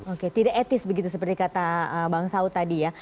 oke tidak etis begitu seperti kata bang saud tadi ya